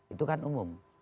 itu kan umum